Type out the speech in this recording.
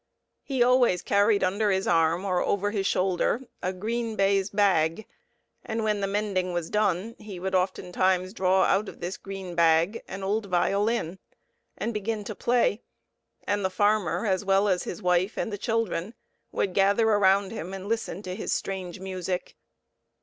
He always carried under his arm or over his shoulder a green baize bag, and when the mending was done he would oftentimes draw out of this green bag an old violin and begin to play, and the farmer, as well as his wife and the children, would gather around him and listen to his strange music.